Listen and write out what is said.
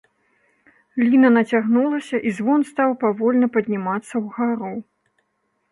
Ліна нацягнулася, і звон стаў павольна паднімацца ўгару.